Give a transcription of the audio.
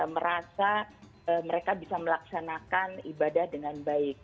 merasa mereka bisa melaksanakan ibadah dengan baik